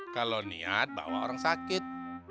kalau niat bawa orang sakit